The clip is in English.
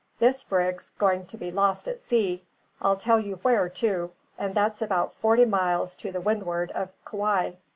"This brig's going to be lost at sea. I'll tell you where, too, and that's about forty miles to windward of Kauai.